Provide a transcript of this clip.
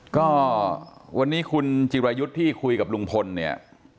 ก็วันนี้คุณจิรายุทธ์ที่คุยกับลุงพลเนี่ย